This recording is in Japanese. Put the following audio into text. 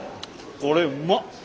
これうまっ！